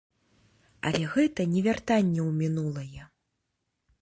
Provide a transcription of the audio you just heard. Але гэта не вяртанне ў мінулае.